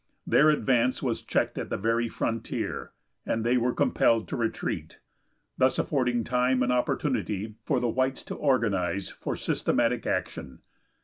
Their advance was checked at the very frontier, and they were compelled to retreat, thus affording time and opportunity for the whites to organize for systematic action.